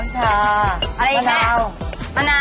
๑ช้อนโต๊ะ